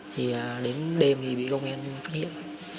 thì đến đêm bị công an phát hiện